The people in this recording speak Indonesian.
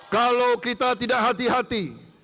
kalau kita tidak hati hati